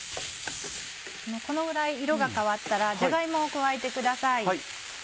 このぐらい色が変わったらじゃが芋を加えてください。